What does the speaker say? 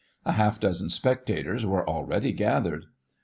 A half dozen spectators were already gathered.